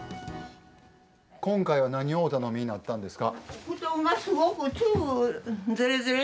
今回は何をお頼みになったんですか。